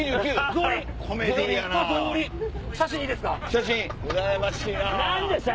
写真いいですか？